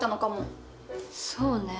そうね。